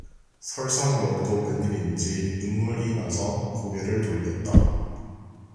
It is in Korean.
설성월도 웬일인지 눈물 이나서 고개를 돌리었다.